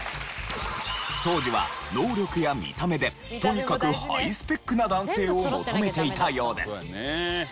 当時は能力や見た目でとにかくハイスペックな男性を求めていたようです。